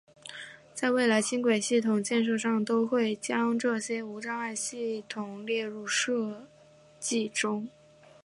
在未来轻轨系统建设上都会将这些无障碍系统列入设计中。